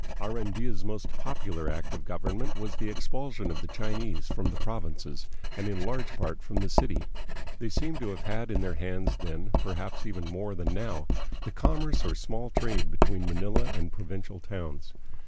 Arandia's most popular act of government was the expulsion of the Chinese from the provinces, and in large part from the city. They seem to have had in their hands then, perhaps even more than now, the commerce or small trade between Manila and provincial towns.